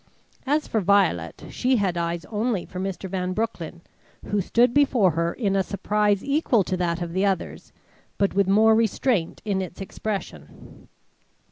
As for Violet, she had eyes only for Mr. Van Broecklyn who stood before her in a surprise equal to that of the others but with more restraint in its expression.